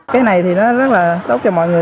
cái này thì nó rất là tốt cho mọi người